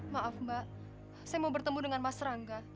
maaf mbak saya mau bertemu dengan mas rangga